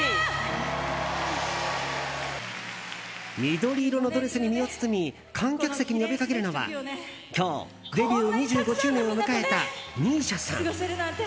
緑色のドレスに身を包み観客席に呼びかけるのは今日デビュー２５周年を迎えたＭＩＳＩＡさん。